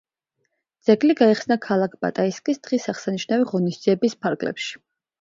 ძეგლი გაიხსნა ქალაქ ბატაისკის დღის აღსანიშნავი ღონისძიებების ფარგლებში.